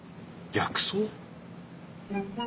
薬草？